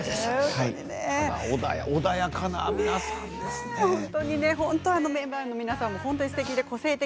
穏やかな皆さんですね。